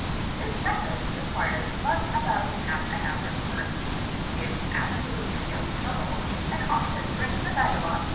'This method requires but about half an hour's work, gives absolutely no trouble, and often brings the vagabond to 784.